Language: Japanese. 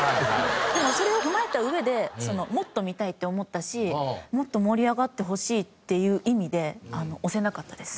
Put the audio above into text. でもそれを踏まえた上でもっと見たいって思ったしもっと盛り上がってほしいっていう意味で押せなかったです。